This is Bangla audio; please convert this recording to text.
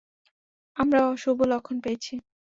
আমরাও শুভ লক্ষণ পেয়েছি।